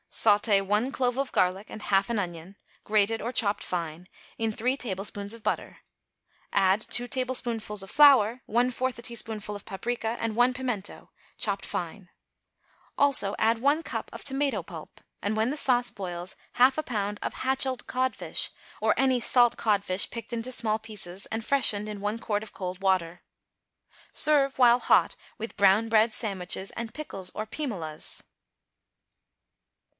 = Sauté one clove of garlic and half an onion, grated or chopped fine, in three tablespoonfuls of butter; add two tablespoonfuls of flour, one fourth a teaspoonful of paprica and one pimento, chopped fine; also, add one cup of tomato pulp, and, when the sauce boils, half a pound of "hatcheled" codfish, or any salt codfish picked into small pieces and freshened in one quart of cold water. Serve, while hot, with brownbread sandwiches, and pickles or pim olas.